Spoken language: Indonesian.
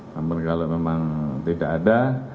namun kalau memang tidak ada